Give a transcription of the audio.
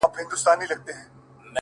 • نور د سپي امتیاز نه سمه منلای,